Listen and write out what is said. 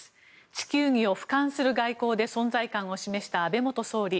地球儀をふかんする外交で存在感を示した安倍元総理。